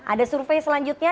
ada survei selanjutnya